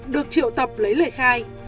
được triệu tập lấy lời khai